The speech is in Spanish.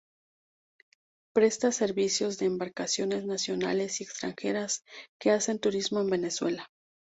Presta servicio de embarcaciones nacionales y extranjeras que hacen turismo en Venezuela.